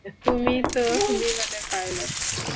তুমিই তো বিমানের পাইলট!